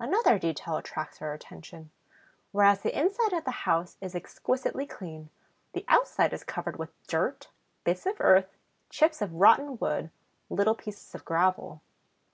Another detail attracts our attention: whereas the inside of the house is exquisitely clean, the outside is covered with dirt, bits of earth, chips of rotten wood, little pieces of gravel.